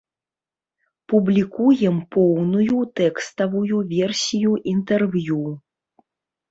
Публікуем поўную тэкставую версію інтэрв'ю.